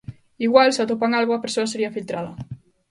Igual, se atopan algo, a persoa sería filtrada.